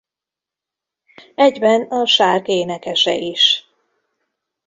Egyben a Sarke énekese is.